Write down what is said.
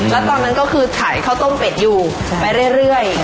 แล้วตอนนั้นก็คือขายข้าวต้มเป็ดอยู่ไปเรื่อย